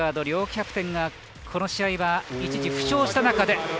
両キャプテンがこの試合は一時、負傷した中で。